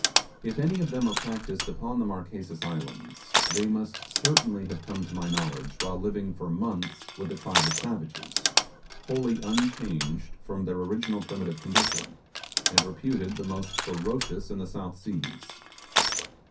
If any of them are practised upon the Marquesas Islands they must certainly have come to my knowledge while living for months with a tribe of savages, wholly unchanged from their original primitive condition, and reputed the most ferocious in the South Seas.